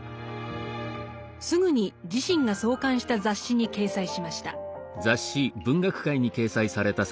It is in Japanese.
すぐに自身が創刊した雑誌に掲載しました。